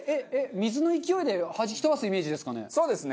水の勢いではじき飛ばすイメージですかね？